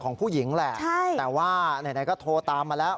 ของผู้หญิงแหละแต่ว่าไหนก็โทรตามมาแล้ว